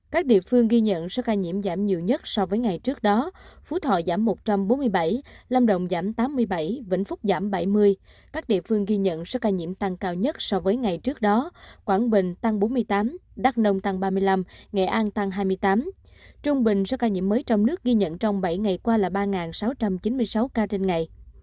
các địa phương ghi nhận số ca nhiễm giảm nhiều nhất so với ngày trước đó phú thọ giảm một trăm bốn mươi bảy lâm động giảm tám mươi bảy vĩnh phúc giảm bảy mươi các địa phương ghi nhận số ca nhiễm tăng cao nhất so với ngày trước đó quảng bình tăng bốn mươi tám đắk nông tăng ba mươi năm nghệ an tăng hai mươi tám trung bình số ca nhiễm mới trong nước ghi nhận trong bảy ngày qua là ba sáu trăm chín mươi sáu ca trên ngày